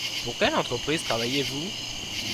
Pour quelle entreprise travaillez-vous ?